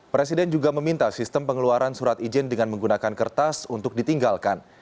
presiden juga meminta sistem pengeluaran surat izin dengan menggunakan kertas untuk ditinggalkan